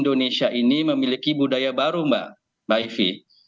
indonesia ini memiliki budaya baru mbak ivi